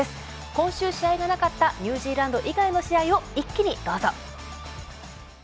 今週、試合がなかったニュージランド以外の試合を一気にどうぞ。